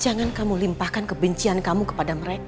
jangan kamu limpahkan kebencian kamu kepada mereka